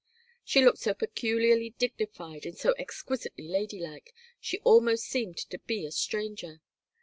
She looked so peculiarly dignified and so exquisitely lady like she almost seemed to be a stranger.